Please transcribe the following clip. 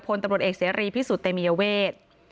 พลตับรถเอกเสรีพิสุเตเมียเวร